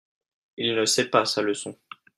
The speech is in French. Il ne sait pas sa leçon.